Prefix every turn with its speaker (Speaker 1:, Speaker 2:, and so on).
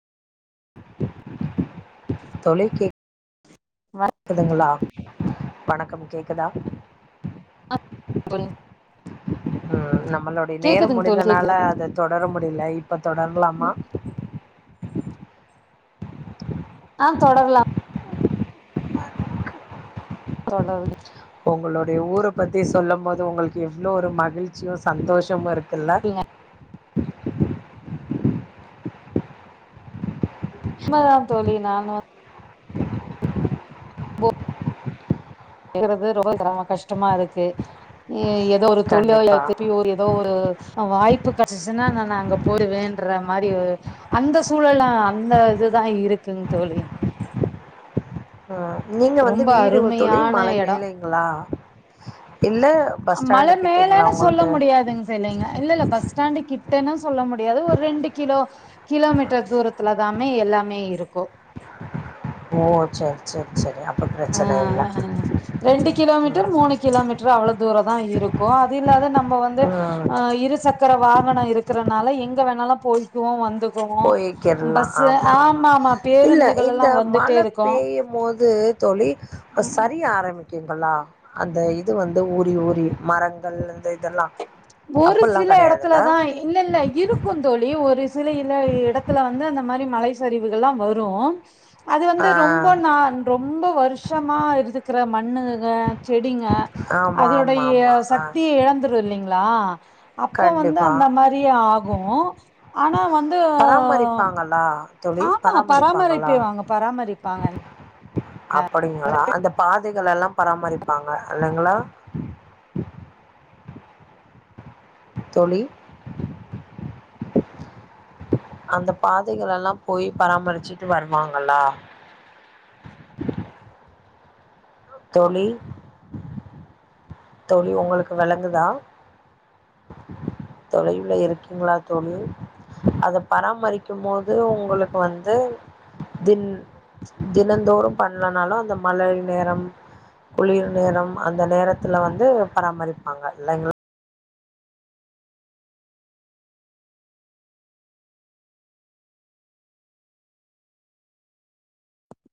Speaker 1: தோழி கேக்
Speaker 2: [inaudible]
Speaker 1: க்குதுங்களா வணக்கம் கேக்குதா
Speaker 2: ஆ தோழி
Speaker 1: ம் நம்மளுடைய நேரம்
Speaker 2: கேக்குதுங்க தோழி
Speaker 1: முடிந்தனால
Speaker 2: கேக்குது
Speaker 1: அத தொடர முடியல இப்ப தொடரலாமா
Speaker 2: ஆ தொடரலாம் தொடருங்க
Speaker 1: உங்களுடைய ஊர பத்தி சொல்லும் போது உங்களுக்கு எவ்ளோ ஒரு மகிழ்ச்சியும் சந்தோஷமும் இருக்குல்ல
Speaker 2: சும்மாதா தோழி நானு வந் குறது ரொம்ப ச கஷ்டமா இருக்கு ஏ எந்த ஒரு தொழிலோ அத பத்தி
Speaker 1: கண்டிப்பாக
Speaker 2: ஒரு ஏதோ ஒரு வாய்ப்பு கடச்சிசுன்னா நானு அங்க போய் வேன்ற மாரி அந்த சூழல்லா அந்த இதுதா இருக்குங் தோழி
Speaker 1: ஆ நீங்க வந்து
Speaker 2: ரொம்ப
Speaker 1: வீடு தோழி
Speaker 2: அருமையான
Speaker 1: மல
Speaker 2: எடோ
Speaker 1: மேலைங்களா இல்ல பஸ் ஸ்டாண்டு கிட்டீங்களா உங்களுக்கு
Speaker 2: இல்லைங்க இல்ல இல்ல பஸ் ஸ்டாண்டு கிட்டன்னும் சொல்ல முடியாது ஒரு ரெண்டு கிலோ கிலோமீட்டர் தூரத்துலதாமே எல்லாமே இருக்கும்
Speaker 1: ஓ செரி செரி செரி அப்
Speaker 2: ஆ ஆ ரெண்டு கிலோமீட்டர்
Speaker 1: ம்
Speaker 2: மூணு கிலோமீட்டர் அவ்வளவு தூரம் தான் இருக்கும் அது இல்லாது நம்ம வந்து
Speaker 1: ம்
Speaker 2: இருசக் கர வாகனம் இருக்கிறனால எங்க வேணாலும் போயிக்குவோம் வந்து க்குவோம் பஸ்ஸு ஆமா ஆமா
Speaker 1: இல்ல
Speaker 2: பேருந்துகள்
Speaker 1: இந்த
Speaker 2: எல்லாம் வந்துட்டே
Speaker 1: மழை
Speaker 2: இருக்கும்
Speaker 1: பெய்யும் போது தோழி சரிய ஆரம்பிச் ங்களா அந்த இது வந்து ஊரி ஊரி மரங்கள் இந்த இதெல்லாம்
Speaker 2: ஒரு சில இடத்துலதான் இல்ல இல்ல இருக்கும் தோழி ஒரு சில இ இடத்துல வந்து அந்த மாரி மலை சரிவுகள் எல்லாம் வரும் அது
Speaker 1: ஆ
Speaker 2: வந்து ரொம்ப நாள் ரொம்ப வருஷமா இருக்குற மண்ணுங்க செடிங்க
Speaker 1: ஆமா ஆமா
Speaker 2: அதோடைய
Speaker 1: ஆமா ஆ
Speaker 2: சக்திய இழந்துரும் இல்லைங்களா அப்போ வந்து
Speaker 1: கண்டிப்பா
Speaker 2: அந்த மாதிரி ஆகும் ஆனா வந்து
Speaker 1: ஆனா தோழி
Speaker 2: ஆமா
Speaker 1: பராமரிப்பாங்களா
Speaker 2: பராமரிப்பேவாங்க பராமரிப்பாங்க
Speaker 1: அப்படிங்களா அந்த பாதைகள் எல்லாம் பராமரிப்பாங்க இல்லைங்களா தோழி அந்த பாதைகள் எல்லாம் போய் பராமரிச்சுட்டு வருவாங்களா தோழி தோழி உங்களுக்கு விளங்குதா தொலைவுல இருக்கீங்களா தோழி அத பராமரிக்கும் போது உங்களுக்கு வந்து தின் தினந்தோறும் பண்ணனாலும் அந்த மழை நேரம் குளிர் நேரம் அந்த நேரத் துல வந்து பராமரிப்பாங்க இல்லைங்க